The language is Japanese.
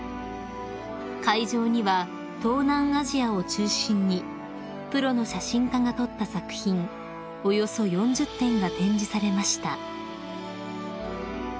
［会場には東南アジアを中心にプロの写真家が撮った作品およそ４０点が展示されました］